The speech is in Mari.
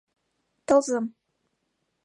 Тылзым.